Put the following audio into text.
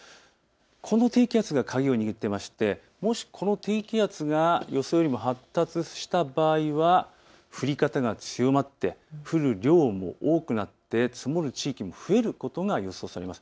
この低気圧が鍵を握っていましてもしこの低気圧が予想よりも発達した場合は降り方が強まって降る量も多くなって積もる地域も増えることが予想されます。